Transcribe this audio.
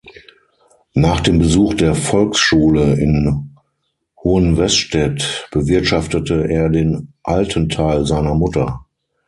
Nach dem Besuch der Volksschule in Hohenwestedt bewirtschaftete er den Altenteil seiner Mutter.